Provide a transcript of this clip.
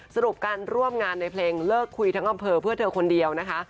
สรุปการร่วมงานในเพลงเลิกคุยทั้งอำเภอเพื่อเธอคนเดียวนะคะ